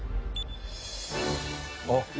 あっ！